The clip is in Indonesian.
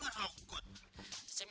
ayo bekas sahaja